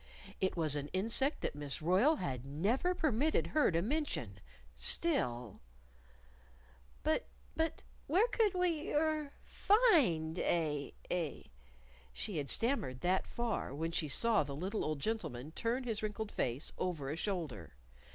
It was an insect that Miss Royle had never permitted her to mention. Still "But but where could we er find a a ?" She had stammered that far when she saw the little old gentleman turn his wrinkled face over a shoulder.